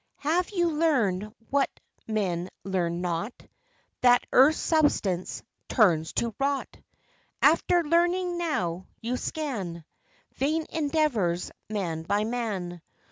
Have you learned what men learn not That earth's substance turns to rot? After learning now you scan Vain endeavors man by man?